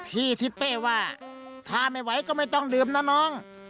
ที่ทิเป้ว่าถ้าไม่ไหวก็ไม่ต้องดื่มนะน้อง